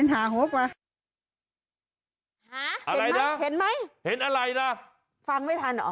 เห็นอะไรน่ะ